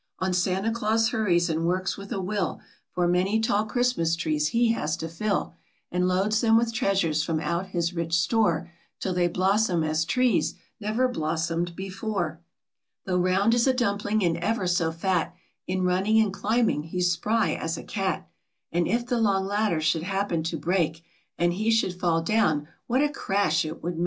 On Santa Claus hurries, and works with a will, For many tall Christmas trees he has to fill, And loads them with treasures from out his rich store, Till they blossom as trees never blossomed before. 15 WHERE SANTA CL A US LIVES, AND WHA T HE DOES. Though round as a dumpling, and ever so fat, In running and climbing he's spry as a cat, And if the long ladder should happen (, to break, ^ And he should fall down, what a \• 7 / Jf crash it would make!